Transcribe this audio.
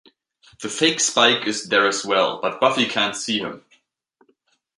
The fake Spike is there as well, but Buffy can't see him.